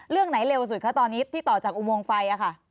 เรื่องไหนเร็วสุดคะตอนนี้ที่ต่อจากอุโมงไฟค่ะ